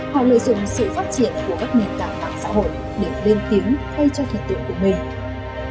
họ lợi dụng sự phát triển của các nền tảng mạng xã hội để lên tiếng thay cho thị tượng của mình